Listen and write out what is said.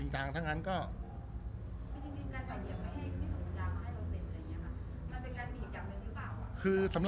รูปนั้นผมก็เป็นคนถ่ายเองเคลียร์กับเรา